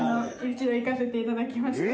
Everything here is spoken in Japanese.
一度行かせていただきました。